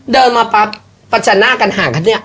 เดินมาปักสัดหน้ากันห่างนี่